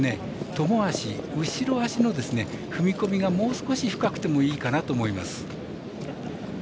トモ脚、後ろ脚の踏み込みがもう少し深くてもいいかなと思います。